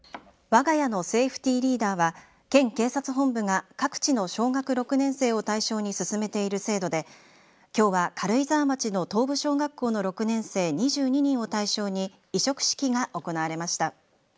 わが家のセーフティーリーダーは県警察本部が各地の小学６年生を対象に進めている制度できょうは軽井沢町の東部小学校の６年生２２人を対象に委嘱式が行われました。